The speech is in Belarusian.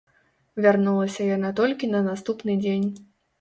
Вярнулася яна толькі на наступны дзень.